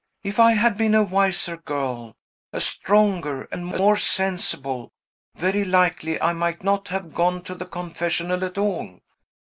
If I had been a wiser girl, a stronger, and a more sensible, very likely I might not have gone to the confessional at all.